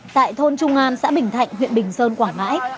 tại thôn trung an xã bình thạnh huyện bình sơn quảng ngãi